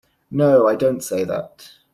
No, I don't say that.